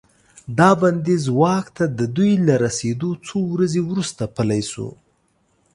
دا بندیز واک ته د دوی له رسیدو څو ورځې وروسته پلی شو.